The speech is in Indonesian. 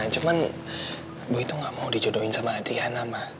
cuman boy tuh gak mau dijodohin sama adriana ma